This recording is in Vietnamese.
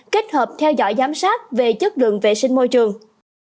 kết hợp theo dõi giám sát về chất lượng vệ sinh môi trường